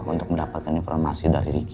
untuk mendapatkan informasi dari riki